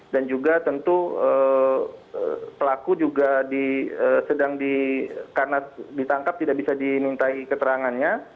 dan juga tentu pelaku juga sedang ditangkap tidak bisa dimintai keterangannya